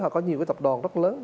họ có nhiều tập đoàn rất lớn